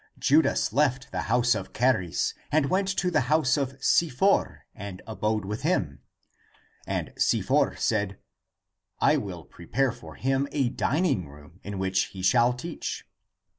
Judas left the house of Charis and went to the house of Si for, and abode with him. And Si for said, " I will prepare for him a dining room in which he shall teach."